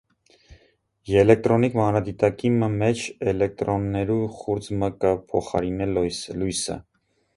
Ելեկտրոնիկ մանրադիտակի մը մէջ, ելեկտրոններու խուրձ մը կը փոխարինէ լոյսը։